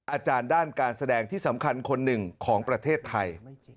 อาจารย์ด้านการแสดงที่สำคัญคนหนึ่งของประเทศไทย